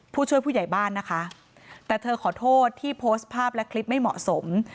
ผู้ช่วยผู้ใหญ่บ้านนะคะแต่เธอขอโทษที่โพสต์ภาพและคลิปไม่เหมาะสม